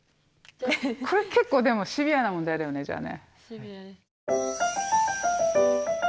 これ結構でもシビアな問題だよねじゃあね。